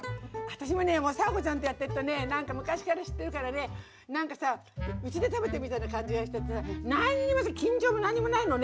私もね佐和子ちゃんとやってるとね何か昔から知ってるからね何かさうちで食べてるみたいな感じがしちゃってさ何にもさ緊張も何にもないのね。